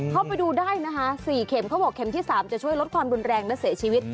เข้าไปดูได้นะคะ๔เข็มเขาบอกเข็มที่๓จะช่วยลดความรุนแรงและเสียชีวิต